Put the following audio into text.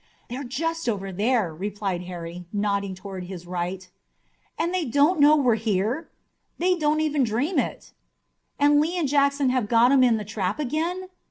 "They're just over there," replied Harry, nodding toward his right. "And they don't know we're here?" "They don't dream it." "And Lee and Jackson have got 'em in the trap again?"